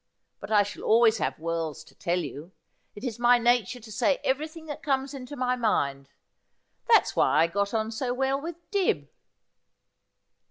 But I shall always have worlds to tell you. It is my nature to say everything that comes into my mind. That's why I got on so well with Dibb.'